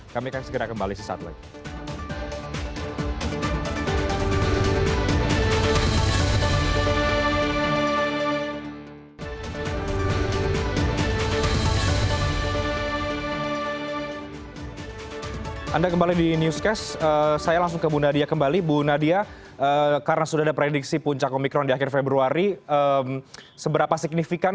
kami akan segera kembali sesaat lain